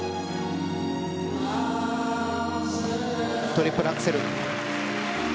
トリプルアクセル。